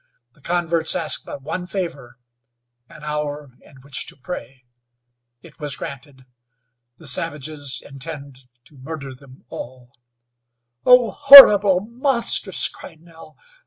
The converts asked but one favor an hour in which to pray. It was granted. The savages intend to murder them all." "Oh! Horrible! Monstrous!" cried Nell.